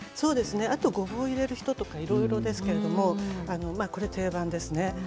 あと、ごぼうを入れる人とかいろいろですけどこれは定番ですね。